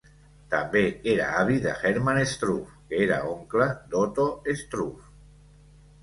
També era avi de Hermann Struve, que era oncle d'Otto Struve.